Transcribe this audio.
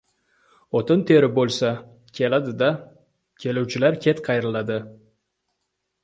— O‘tin terib bo‘lsa, keladi-da. Keluvchilar ket qayriladi.